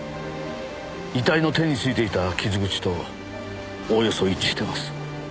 遺体の手についていた傷口とおよそ一致しています。